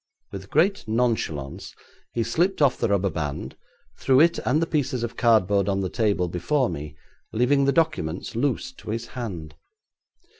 With great nonchalance he slipped off the rubber band, threw it and the pieces of cardboard on the table before me, leaving the documents loose to his hand.